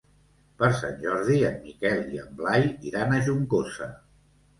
Per Sant Jordi en Miquel i en Blai iran a Juncosa.